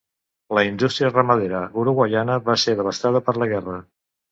La indústria ramadera uruguaiana va ser devastada per la guerra.